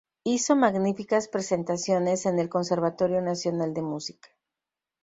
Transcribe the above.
Hizo magníficas presentaciones en el Conservatorio Nacional de Música.